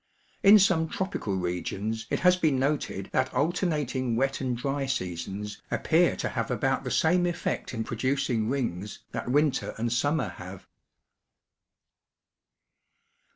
In some tropical regions it has been noted that alternating wet and dry seasons appear to have about the same effect in producing rings that winter and summer have.